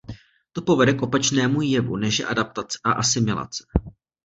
To povede k opačnému jevu, než je adaptace a asimilace.